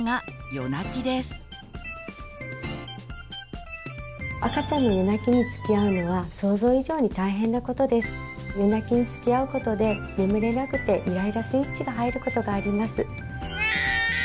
夜泣きにつきあうことで眠れなくてイライラスイッチが入ることがあります。